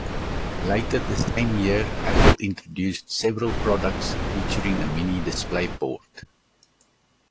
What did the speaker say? Later the same year, Apple introduced several products featuring a Mini DisplayPort.